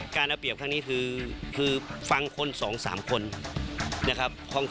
การเอาเปรียบครั้งนี้คือฟังคน๒๓คนนะครับ